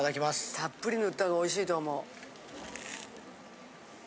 たっぷり塗った方がおいしいと思う。